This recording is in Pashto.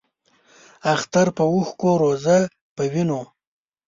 اختر پۀ اوښکو ، روژۀ پۀ وینو